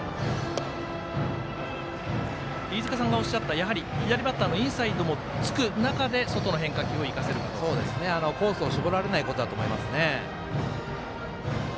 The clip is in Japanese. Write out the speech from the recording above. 飯塚さんがおっしゃったやはり左バッターのインサイドもつく中で外の変化球を生かせるか。コースを絞られないことだと思いますね。